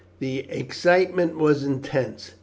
The excitement was intense.